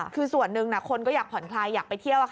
คือส่วนหนึ่งคนก็อยากผ่อนคลายอยากไปเที่ยว